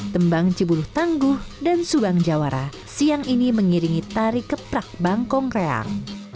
tembang cibuluh tangguh dan subang jawara siang ini mengiringi tari keprak bangkong kreang